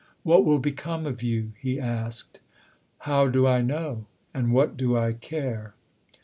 What will become of you ?" he asked. " How do I know and what do I care